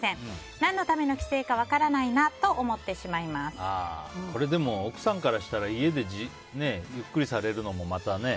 何のための帰省か分からないなとでも奥さんからしたら家でゆっくりされるのも、またね。